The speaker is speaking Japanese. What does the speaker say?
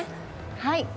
はい。